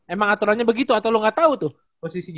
emang aturnya begitu atau lu nggak tahu tuh posisinya